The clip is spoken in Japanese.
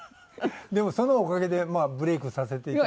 でもそのおかげでまあブレークさせていただいて。